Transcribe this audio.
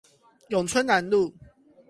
永春南路